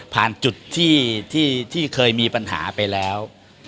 ผ่านจุดที่เคยมีปัญหาไปแล้ว